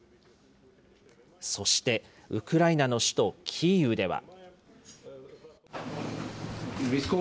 そして、ウクライナの首都キーウでは。